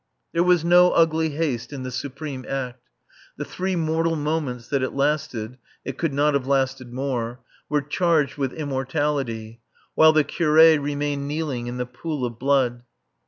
There was no ugly haste in the Supreme Act; the three mortal moments that it lasted (it could not have lasted more) were charged with immortality, while the Curé remained kneeling in the pool of blood.